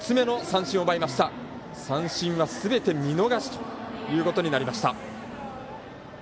三振はすべて見逃しということになりました。